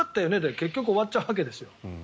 結局終わっちゃうわけですよ。